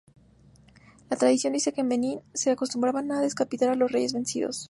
La tradición dice que en Benín, se acostumbraba a decapitar a los reyes vencidos.